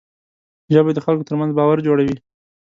ژبه د خلکو ترمنځ باور جوړوي